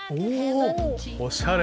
おしゃれ！